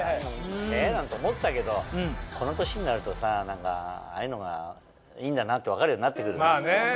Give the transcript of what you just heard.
思ったけどこの年になるとさああいうのがいいんだなって分かるようになって来るね。